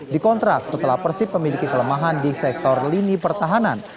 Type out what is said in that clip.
dikontrak setelah persib memiliki kelemahan di sektor lini pertahanan